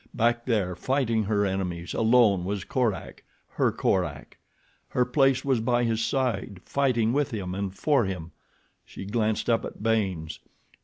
Back there, fighting her enemies, alone, was Korak—her Korak. Her place was by his side, fighting with him and for him. She glanced up at Baynes.